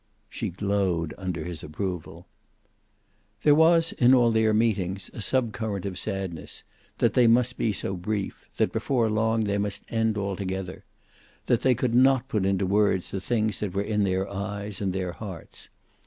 She glowed under his approval. There was, in all their meetings, a sub current of sadness, that they must be so brief, that before long they must end altogether, that they could not put into words the things that were in their eyes and their hearts.